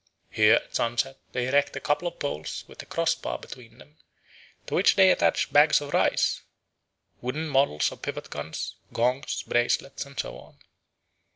Here at sunset they erect a couple of poles with a cross bar between them, to which they attach bags of rice, wooden models of pivot guns, gongs, bracelets, and so on.